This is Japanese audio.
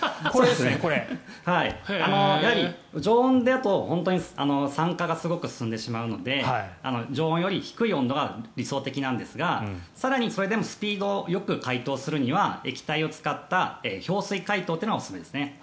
やはり常温だと酸化がすごく進んでしまうので常温より低い温度が理想的なんですが更にそれでもスピードよく解凍するには液体を使った氷水解凍というのがおすすめですね。